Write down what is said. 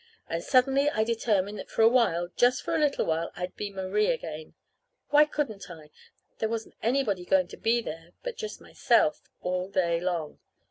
And suddenly I determined that for a while, just a little while, I'd be Marie again. Why couldn't I? There wasn't anybody going to be there but just myself, all day long.